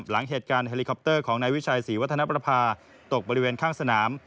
หลังเหตุการณ์เฮลิคอปเตอร์ของนายวิชัยศรีวัฒนประภาตกบริเวณข้างสนาม